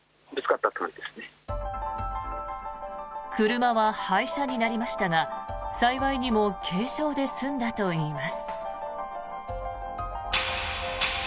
車は廃車になりましたが幸いにも軽傷で済んだといいます。